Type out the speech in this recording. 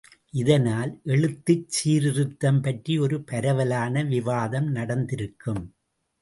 இதனால் எழுத்துச் சீர்திருத்தம் பற்றி ஒரு பரவலான விவாதம் நடந்திருக்கும்.